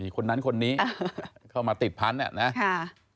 คนนั้นคนนี้เข้ามาติดพันธุ์นะ